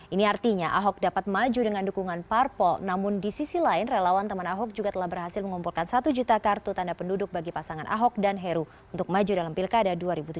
ini artinya ahok dapat maju dengan dukungan parpol namun di sisi lain relawan teman ahok juga telah berhasil mengumpulkan satu juta kartu tanda penduduk bagi pasangan ahok dan heru untuk maju dalam pilkada dua ribu tujuh belas